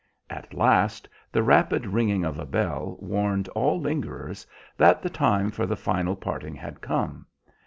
At last the rapid ringing of a bell warned all lingerers that the time for the final parting had come.